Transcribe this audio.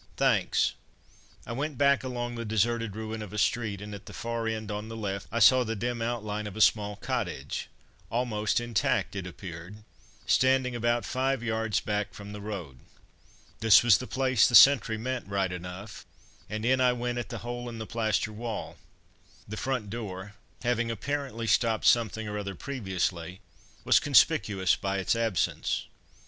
"Thanks." I went back along the deserted ruin of a street, and at the far end on the left I saw the dim outline of a small cottage, almost intact it appeared, standing about five yards back from the road. This was the place the sentry meant right enough, and in I went at the hole in the plaster wall. The front door having apparently stopped something or other previously, was conspicuous by its absence.